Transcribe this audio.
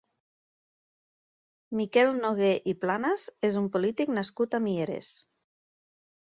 Miquel Noguer i Planas és un polític nascut a Mieres.